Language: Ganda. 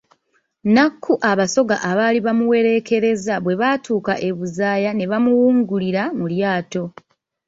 Nnaku Abasoga abaali bamuwereekereza bwe baatuuka e Buzaaya ne bamuwungulira mu lyato.